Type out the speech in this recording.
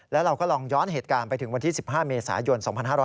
แล้วเราก็ลองย้อนเหตุการณ์ไปถึงวันที่๑๕เมษายน๒๕๖๐